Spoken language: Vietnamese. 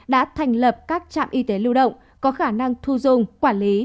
đã thành lập các trạm y tế lưu động có khả năng thu dung quản lý